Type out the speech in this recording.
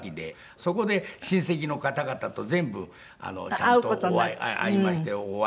そこで親戚の方々と全部ちゃんと会いましてご挨拶をして。